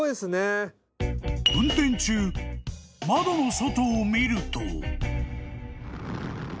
［運転中窓の外を見ると］